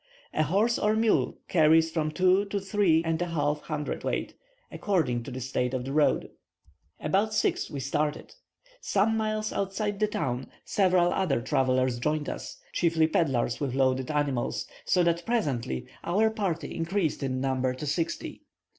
A horse or mule carries from two to three and a half hundredweight, according to the state of the road. About 6 we started. Some miles outside the town several other travellers joined us, chiefly pedlars with loaded animals, so that presently our party increased in numbers to sixty.